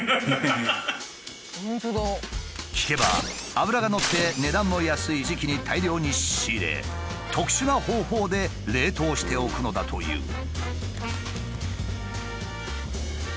聞けば脂がのって値段も安い時期に大量に仕入れ特殊な方法で冷凍しておくのだという。